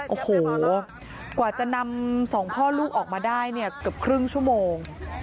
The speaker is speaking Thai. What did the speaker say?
โอ้โหกว่าจะนำสองพ่อลูกออกมาได้เนี่ยเกือบครึ่งชั่วโมง